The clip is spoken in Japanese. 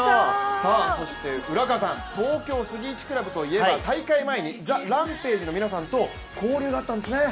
そして浦川さん東京杉一クラブといえば大会前にＴＨＥＲＡＭＰＡＧＥの皆さんと交流があったんですね？